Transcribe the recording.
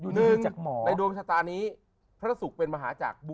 หนึ่งในดวงชะตานี้พระทศุกร์เป็นมหาจักร